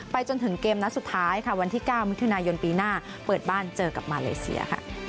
จนถึงเกมนัดสุดท้ายค่ะวันที่๙มิถุนายนปีหน้าเปิดบ้านเจอกับมาเลเซียค่ะ